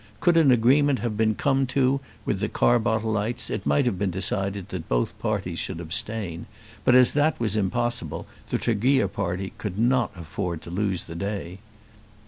Could an agreement have been come to with the Carbottleites it might have been decided that both parties should abstain, but as that was impossible the Tregear party could not afford to lose the day.